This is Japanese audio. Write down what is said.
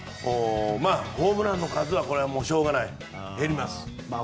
ホームランの数はしょうがない、減ります。